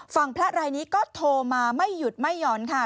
พระรายนี้ก็โทรมาไม่หยุดไม่หย่อนค่ะ